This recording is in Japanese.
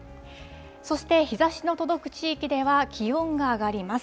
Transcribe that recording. そして、日ざしの届く地域では気温が上がります。